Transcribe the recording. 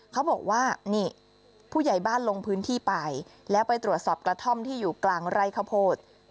เขาบอกว่านี่ผู้ใหญ่บ้านลงพื้นที่ไปแล้วไปตรวจสอบกระท่อมที่อยู่กลางไร่ข้าวโพด